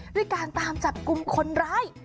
ด้วยการตามจับกลุ่มคนร้าย